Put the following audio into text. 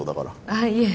ああいえ。